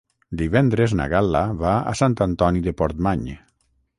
Divendres na Gal·la va a Sant Antoni de Portmany.